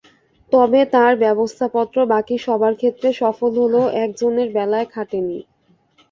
তবে তাঁর ব্যবস্থাপত্র বাকি সবার ক্ষেত্রে সফল হলেও একজনের বেলায় খাটেনি।